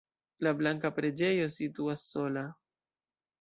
La blanka preĝejo situas sola.